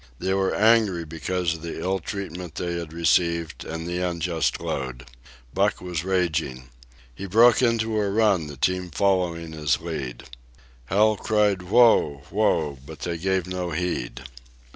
They were angry because of the ill treatment they had received and the unjust load. Buck was raging. He broke into a run, the team following his lead. Hal cried "Whoa! whoa!" but they gave no heed.